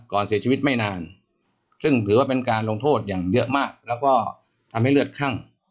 เสียชีวิตไม่นานซึ่งถือว่าเป็นการลงโทษอย่างเยอะมากแล้วก็ทำให้เลือดคั่ง